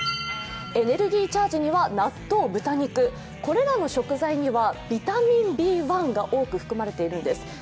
エネルギーチャージには納豆・豚肉これらの食材にはビタミンＢ１が多く含まれているんです。